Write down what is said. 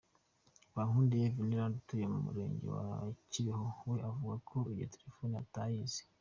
Bankundiye Veneranda, utuye mu Murenge wa Kibeho, we avuga ko iyo telefone atayizi.